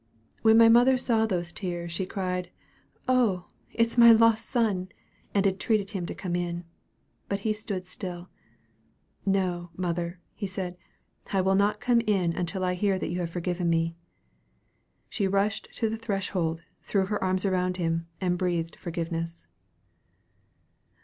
When my mother saw those tears, she cried, 'Oh, it's my lost son!' and entreated him to come in. But he stood still, 'No, mother,' he said, 'I will not come in until I hear that you have forgiven me.' She rushed to the threshold, threw her arms around him, and breathed forgiveness."